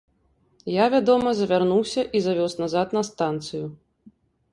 Я, вядома, завярнуўся і завёз назад на станцыю.